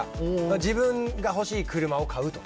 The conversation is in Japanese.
自分が欲しい車を買うとか。